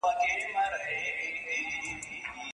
آسمانه واخله ککرۍ درغلې